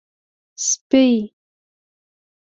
🐕 سپۍ